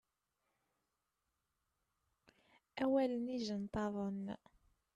Awalen ijenṭaḍen.